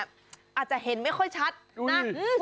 อาจจะเห็นไม่ค่อยชัดนะ